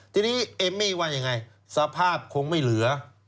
ทีนี้เอมมี่ว่ายังไงสภาพคงไม่เหลือ